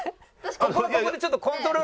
ここはここでちょっとコントロールが難しいので。